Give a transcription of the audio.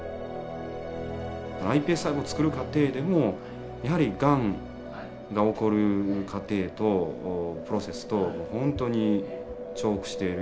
ｉＳＰ細胞をつくる過程でもやはりがんが起こる過程プロセスと本当に重複している。